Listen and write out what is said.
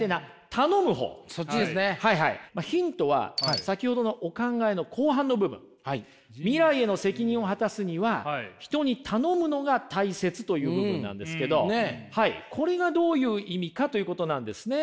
まあヒントは先ほどのお考えの後半の部分「未来への責任を果たすには人に頼むのが大切」という部分なんですけどこれがどういう意味かということなんですね。